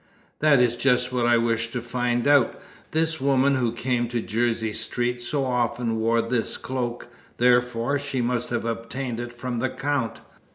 "That is just what I wish to find out. This woman who came to Jersey Street so often wore this cloak; therefore, she must have obtained it from the Count.